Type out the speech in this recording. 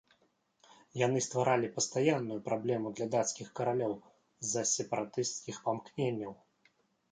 Яны стваралі пастаянную праблему для дацкіх каралёў з-за сепаратысцкіх памкненняў.